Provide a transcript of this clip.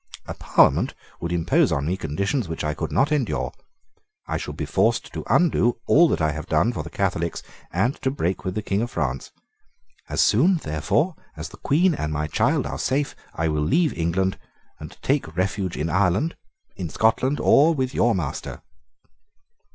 A Parliament would impose on me conditions which I could not endure. I should be forced to undo all that I have done for the Catholics, and to break with the King of France. As soon, therefore, as the Queen and my child are safe, I will leave England, and tale refuge in Ireland, in Scotland, or with your master."